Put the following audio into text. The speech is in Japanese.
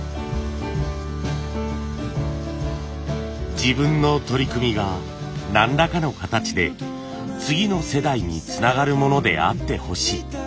自分の取り組みが何らかの形で次の世代につながるものであってほしい。